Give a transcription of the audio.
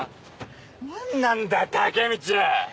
何なんだよタケミチ！